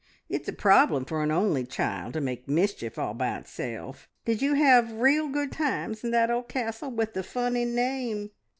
It's a problem for an only child to make mischief all by itself. ... Did you have real good times in that old castle with the funny name?"